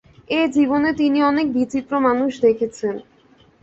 এ-জীবনে তিনি অনেক বিচিত্র মানুষ দেখেছেন।